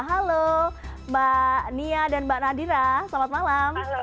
halo mbak nia dan mbak nadira selamat malam